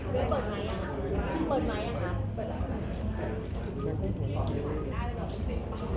เวลเวลเวลเปิดไลค์อ่ะเปิดไลค์อ่ะเปิดไลค์อ่ะ